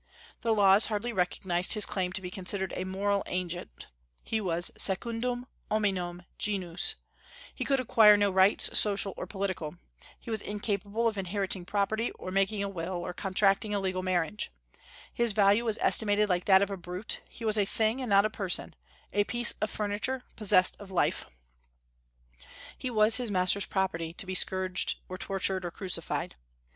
The laws hardly recognized his claim to be considered a moral agent, he was secundum hominum genus; he could acquire no rights, social or political, he was incapable of inheriting property, or making a will, or contracting a legal marriage; his value was estimated like that of a brute; he was a thing and not a person, "a piece of furniture possessed of life;" he was his master's property, to be scourged, or tortured, or crucified.